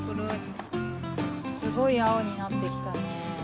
すごいあおになってきたね。